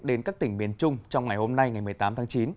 đến các tỉnh miền trung trong ngày hôm nay ngày một mươi tám tháng chín